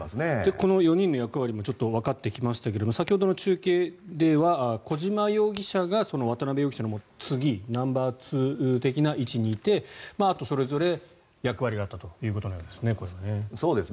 この４人の役割もちょっとわかってきましたが先ほどの中継では小島容疑者が渡邉容疑者の次ナンバーツー的な位置にいてあと、それぞれ役割があったということのようですね。